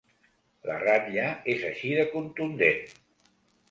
La ratlla és així de contundent.